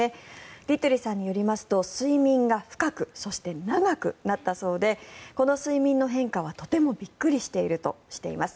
ディトゥリさんによりますと睡眠が深くそして長くなったそうでこの睡眠の変化はとてもびっくりしているとしています。